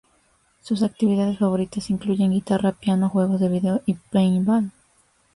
Sus actividades favoritas incluyen guitarra, piano, juegos de video y paintball.